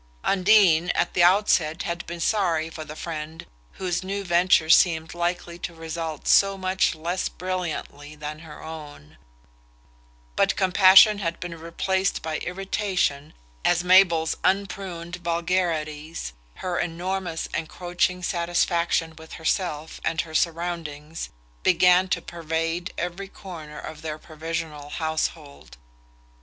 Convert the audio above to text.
Undine, at the outset, had been sorry for the friend whose new venture seemed likely to result so much less brilliantly than her own; but compassion had been replaced by irritation as Mabel's unpruned vulgarities, her enormous encroaching satisfaction with herself and her surroundings, began to pervade every corner of their provisional household.